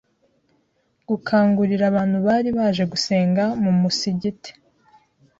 gukangurira abantu bari baje gusenga mu musigiti